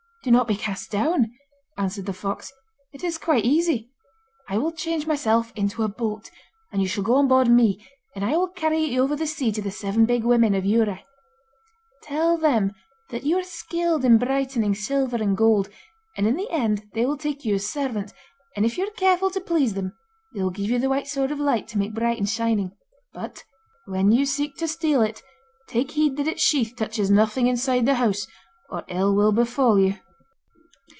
'Do not be cast down,' answered the fox, 'it is quite easy! I will change myself into a boat, and you shall go on board me, and I will carry you over the sea to the Seven Big Women of Dhiurradh. Tell them that you are skilled in brightening silver and gold, and in the end they will take you as servant, and if you are careful to please them they will give you the White Sword of Light to make bright and shining. But when you seek to steal it, take heed that its sheath touches nothing inside the house, or ill will befall you.